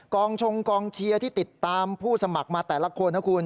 ชงกองเชียร์ที่ติดตามผู้สมัครมาแต่ละคนนะคุณ